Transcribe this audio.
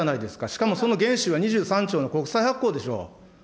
しかもその原資は２３兆の国債発行でしょう。